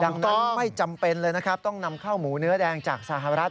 ยังต้องไม่จำเป็นเลยนะครับต้องนำข้าวหมูเนื้อแดงจากสหรัฐ